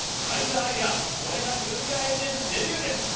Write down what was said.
相澤晃、これがニューイヤー駅伝デビューです。